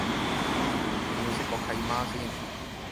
你要識個契媽先